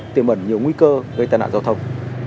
tiềm ẩn nhiều nguy cơ gây tàn ả giao thông